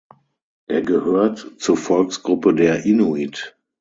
Er gehört zur Volksgruppe der Inuit.